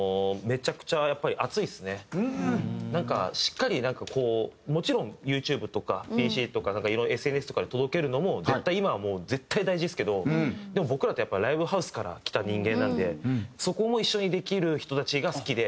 なんかしっかりこうもちろんユーチューブとかＰＣとかＳＮＳとかで届けるのも絶対今はもう絶対大事ですけどでも僕らってライブハウスから来た人間なんでそこも一緒にできる人たちが好きで。